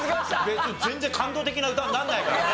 別に全然感動的な歌にならないからね。